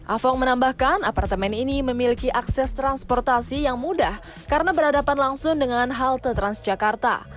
afung menambahkan apartemen ini memiliki akses transportasi yang mudah karena berhadapan langsung dengan halte transjakarta